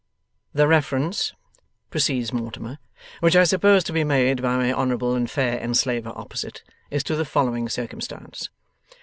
'The reference,' proceeds Mortimer, 'which I suppose to be made by my honourable and fair enslaver opposite, is to the following circumstance.